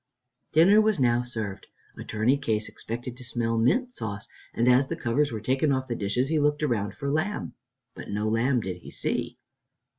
Dinner was now served. Attorney Case expected to smell mint sauce, and as the covers were taken off the dishes he looked around for lamb, but no lamb did he see.